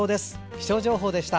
気象情報でした。